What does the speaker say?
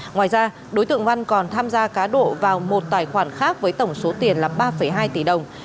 ngoài ra đối tượng văn còn tham gia cá độ vào một tài khoản khác với tổng số tiền là ba hai tỷ đồng